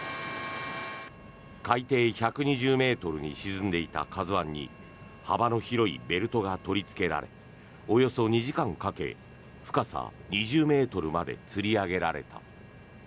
海底１２０ｍに沈んでいた「ＫＡＺＵ１」に幅の広いベルトが取りつけられおよそ２時間かけ深さ２０ｍまでつり上げられた。